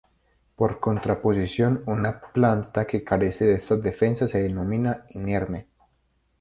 Por contraposición, una planta que carece de estas defensas, se denomina inerme.